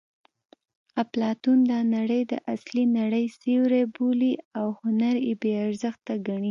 اپلاتون دا نړۍ د اصلي نړۍ سیوری بولي او هنر یې بې ارزښته ګڼي